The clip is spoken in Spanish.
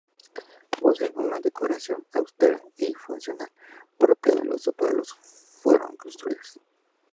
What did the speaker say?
Poseen una decoración austera y funcional, propia del uso para la que fueron construidas.